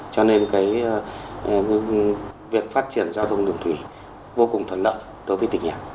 cho nên cái việc phát triển giao thông đường thủy vô cùng thuận lợi đối với tỉnh nhà